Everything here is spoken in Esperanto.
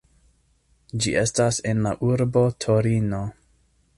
Ĝi estas en la urbo Torino.